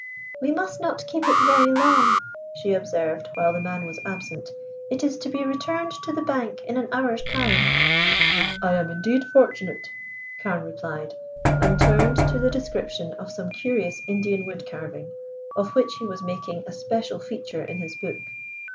"We must not keep it very long," she observed while the man was absent. "It is to be returned to the bank in an hour's time." "I am indeed fortunate," Carne replied, and turned to the description of some curious Indian wood carving, of which he was making a special feature in his book.